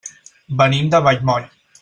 Venim de Vallmoll.